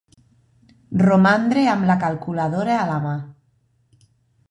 Romandre amb la calculadora a la mà.